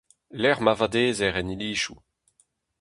Lec'h ma vadezer en ilizoù.